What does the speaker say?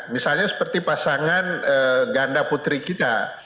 misalnya seperti pasangan ganda putri kita